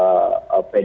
ini juga menjadi penting